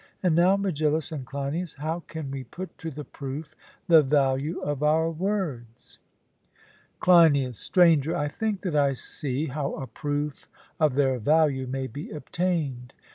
And now, Megillus and Cleinias, how can we put to the proof the value of our words? CLEINIAS: Stranger, I think that I see how a proof of their value may be obtained.